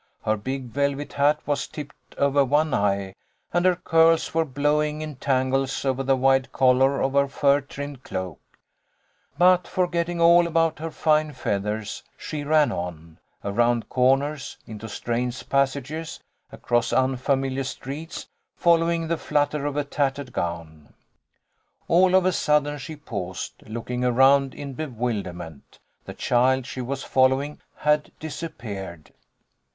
Her big velvet hat was tipped over one eye and her curls were blowing in tangles over the wide collar of her fur trimmed cloak. But forgetting all about her fine feathers, she ran on, around corners, into strange passages, across un familiar streets, following the flutter of a tattered 1 88 THE LITTLE COLONEL'S HOLIDAYS. gown. All of a sudden she paused, looking around in bewilderment. The child she was following had disappeared.